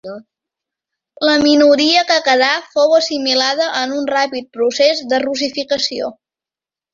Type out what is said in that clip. La minoria que quedà fou assimilada en un ràpid procés de russificació.